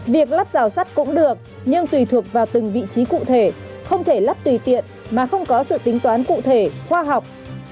việc lắp dò sắt cũng được nhưng tùy thuộc vào từng vị trí cụ thể không thể lắp tùy tiện mà không có sự tính toán cụ thể khoa học